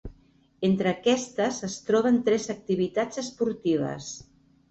Entre aquestes es troben tres activitats esportives.